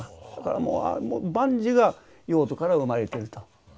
だからもう万事が用途から生まれていると。